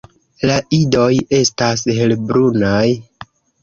La idoj estas helbrunaj.